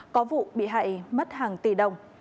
có vụ bị hại mất hàng tỷ đồng